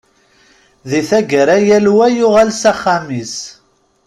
Di taggara, yal wa yuɣal s axxam-is.